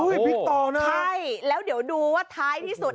อุ้ยพลิกต่อน่ะใช่แล้วเดี๋ยวดูว่าท้ายที่สุด